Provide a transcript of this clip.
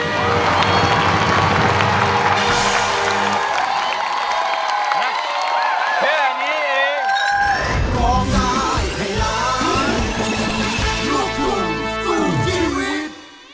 หัวใจให้ร้ายรวมทุกทีวิทย์